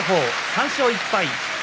３勝１敗。